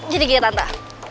jadi gini tante